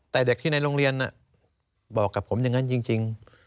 แต่เด็กที่ในโรงเรียนบอกกับผมอย่างนั้นจริง